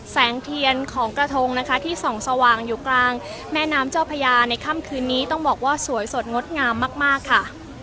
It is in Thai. แสงเทียนของกระทงนะคะที่ส่องสว่างอยู่กลางแม่น้ำเจ้าพญาในค่ำคืนนี้ต้องบอกว่าสวยสดงดงามมากค่ะ